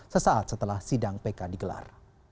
sesaat setelah sidang pk digelar